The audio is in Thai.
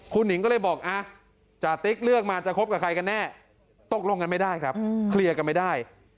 คุณหิงก็เลยบอกจติ๊กเลือกมาจะคบกับใครกันแน่ตกลงกันไม่ได้ครับเคลียร์กันไม่ได้